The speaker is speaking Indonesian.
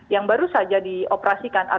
yang baru saja dioperasikan